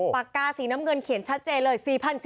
ปากกาสีน้ำเงินเขียนชัดเจนเลย๔๐๐๐๔๐๐๐๔๐๐๐๔๐๐๐